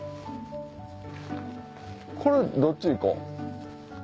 これどっち行こう？